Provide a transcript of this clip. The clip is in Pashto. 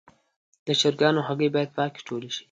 د چرګانو هګۍ باید پاکې ټولې شي.